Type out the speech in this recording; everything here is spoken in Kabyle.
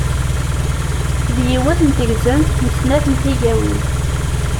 D yiwet n tegzemt m snat n tigawin.